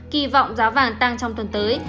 kỳ vọng giá vàng tăng trong tuần tới